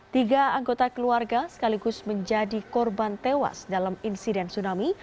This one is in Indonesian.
tiga anggota keluarga sekaligus menjadi korban tewas dalam insiden tsunami